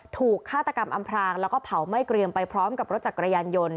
ถูกฆาตกรรมอำพรางแล้วก็เผาไม่เกรียมไปพร้อมกับรถจักรยานยนต์